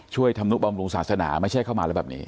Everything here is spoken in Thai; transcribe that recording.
ธรรมนุบำรุงศาสนาไม่ใช่เข้ามาแล้วแบบนี้